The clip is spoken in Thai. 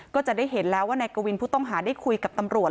ก็จะได้เห็นแล้วว่านายกวินผู้ต้องหาได้คุยกับตำรวจ